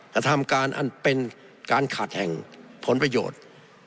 กระทำการอันเป็นการขาดแห่งผลประโยชน์